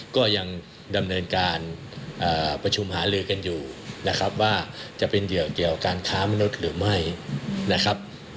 ก็ยังดำเนินการประชุมหาลือกันอยู่นะครับว่าจะเป็นเกี่ยวกับการค้ามนุษย์หรือไม่นะครับ